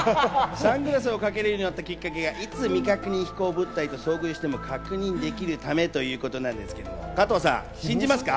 サングラスをかけるようになったきっかけがいつ未確認飛行物体と遭遇しても確認できるためということだったんですが、加藤さん、信じますか？